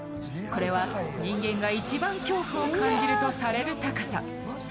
これは、人間が一番恐怖を感じるとされる高さ。